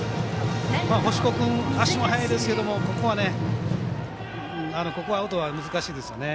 星子君、足も速いですけどここは、アウトは難しいですよね。